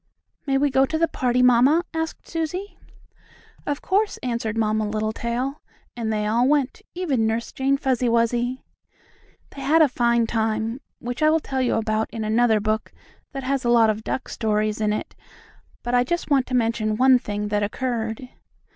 "May we go to the party, mamma?" asked Susie. "Of course," answered Mamma Littletail, and they all went, even Nurse Jane Fuzzy Wuzzy. They had a fine time, which I will tell you about in another book that has a lot of duck stories in it. But I just want to mention one thing that occurred.